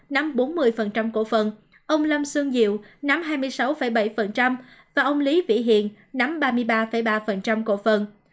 nắm bốn mươi cổ phần ông lâm sương diệu nắm hai mươi sáu bảy và ông lý vĩ hiện nắm ba mươi ba ba cổ phần